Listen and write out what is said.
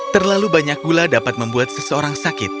terlalu banyak gula dapat membuat seseorang sakit